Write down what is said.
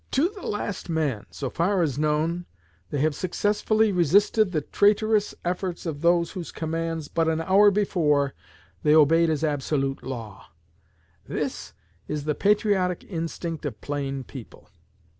To the last man, so far as known, they have successfully resisted the traitorous efforts of those whose commands but an hour before they obeyed as absolute law. This is the patriotic instinct of plain people.